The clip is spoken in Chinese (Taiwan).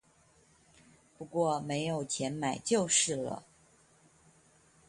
不過沒有錢買就是了